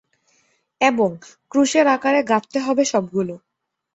এবং, ক্রুশের আকারে গাঁথতে হবে সবগুলো!